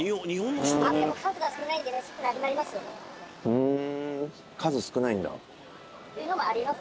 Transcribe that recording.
ふん。